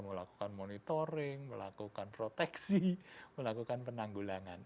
melakukan monitoring melakukan proteksi melakukan penanggulangan